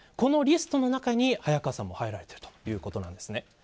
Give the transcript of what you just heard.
このリストの中に早川さんも入られているということです。